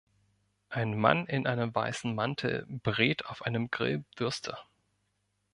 Ein Mann in einem weißen Mantel brät auf einem Grill Würste.